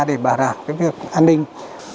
để bảo đảm việc an ninh